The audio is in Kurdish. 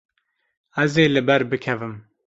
Ez ê li ber bikevim.